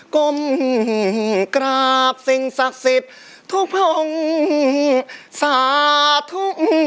ก้มกราบสิ่งศักดิ์สิทธิ์ทุกองค์สาธุ